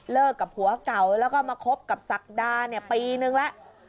กับผัวเก่าแล้วก็มาคบกับศักดาเนี่ยปีนึงแล้ว